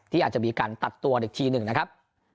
อาจจะมีการตัดตัวอีกทีหนึ่งนะครับ